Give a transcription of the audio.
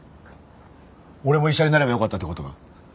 俺も医者になればよかったって事か？